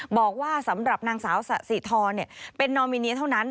บอกว่าสำหรับนางสาวสะสีทรเป็นนอมิเนียเท่านั้น